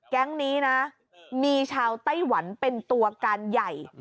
แก๊งนี้นะมีชาวไต้หวันเป็นตัวการใหญ่